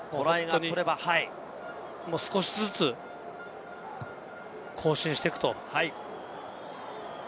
少しずつ更新していくと。